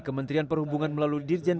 kementerian perhubungan melalui dirjen